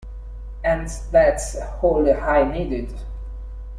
And that's all I needed.